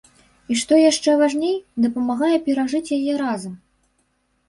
І што яшчэ важней, дапамагае перажыць яе разам.